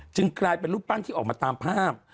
กลายเป็นรูปปั้นที่ออกมาตามภาพ